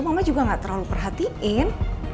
mama juga gak terlalu perhatiin